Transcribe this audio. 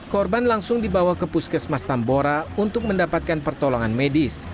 korban langsung dibawa ke puskesmas tambora untuk mendapatkan pertolongan medis